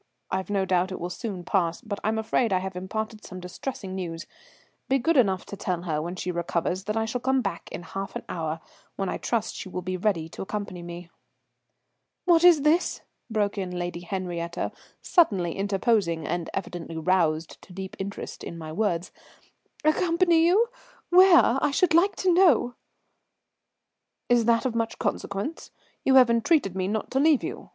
I've no doubt it will soon pass, but I'm afraid I have imparted some distressing news. Be good enough to tell her when she recovers that I shall come back in half an hour, when I trust she will be ready to accompany me." "What is this?" broke in Lady Henriette, suddenly interposing and evidently roused to deep interest in my words. "Accompany you? Where, I should like to know?" "Is that of much consequence? You have entreated me not to leave you.